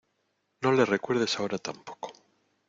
no le recuerdes ahora tampoco.